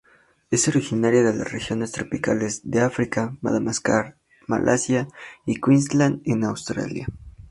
Es originaria de las regiones tropicales de África, Madagascar, Malasia y Queensland en Australia.